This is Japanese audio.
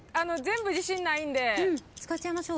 使っちゃいましょう。